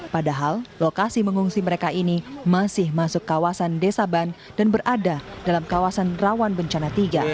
padahal lokasi mengungsi mereka ini masih masuk kawasan desa ban dan berada dalam kawasan rawan bencana tiga